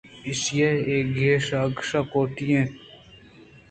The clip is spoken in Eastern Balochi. ایشی ءِاے کش ءُآکش ء کوٹی اِت اَنت